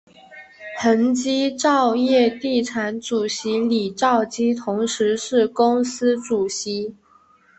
恒基兆业地产主席李兆基同时是公司主席。